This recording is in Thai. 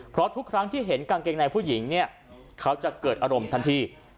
เพราะทุกครั้งที่เห็นกางเกงในผู้หญิงเนี่ยเขาจะเกิดอารมณ์ทันที